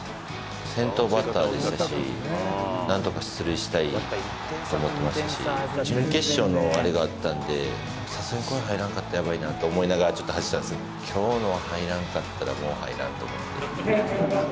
先頭バッターでしたし、なんとか出塁したいと思ってましたし、準決勝のあれがあったんで、さすがにこれ入らんかったらやばいなと思いながら、ちょっと走ったんですけど、きょうの入らんかったらもう入らんと思って。